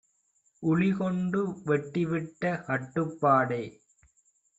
உளிகொண்டு வெட்டிவிட்ட கட்டுப்பாடே